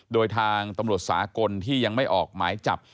โดยทางตำรวจสากลที่ยังไม่ออกหมายจับ